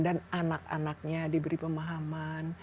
dan anak anaknya diberi pemahaman